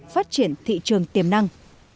phát triển thị trường tiềm năng